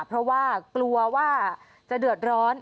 เพราะว่ากลัวว่าจะเดือดร้อน